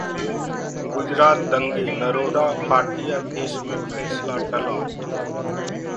गुजरात दंगे: नरोडा पाटिया केस में फैसला टला